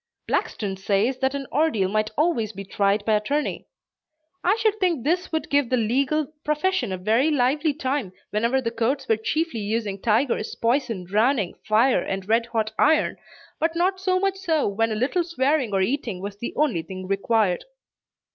Blackstone says that an ordeal might always be tried by attorney. I should think this would give the legal profession a very lively time whenever the courts were chiefly using tigers, poison, drowning, fire and red hot iron, but not so much so when a little swearing or eating was the only thing required.